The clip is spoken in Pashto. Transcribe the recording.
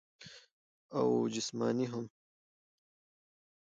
او جسماني هم -